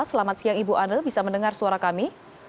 selamat siang ibu anne bisa mendengar suara kami